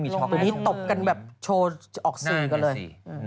วันนี้ตบกันแบบโชว์ออกสื่อกันเลย